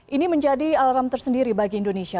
ini menjadi alarm tersendiri bagi indonesia